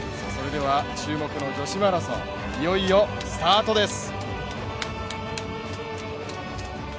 注目の女子マラソン、いよいよスタートです。